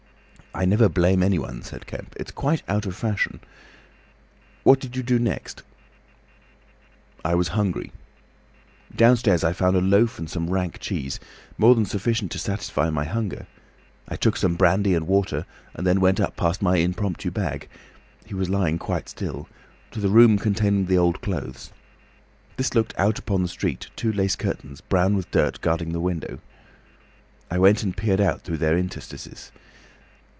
"I never blame anyone," said Kemp. "It's quite out of fashion. What did you do next?" "I was hungry. Downstairs I found a loaf and some rank cheese—more than sufficient to satisfy my hunger. I took some brandy and water, and then went up past my impromptu bag—he was lying quite still—to the room containing the old clothes. This looked out upon the street, two lace curtains brown with dirt guarding the window. I went and peered out through their interstices.